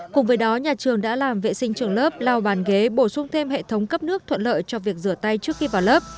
cùng với đó nhà trường đã làm vệ sinh trường lớp lau bàn ghế bổ sung thêm hệ thống cấp nước thuận lợi cho việc rửa tay trước khi vào lớp